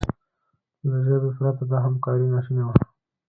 له ژبې پرته دا همکاري ناشونې وه.